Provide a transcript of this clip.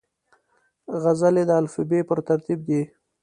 غزلې د الفبې پر ترتیب دي.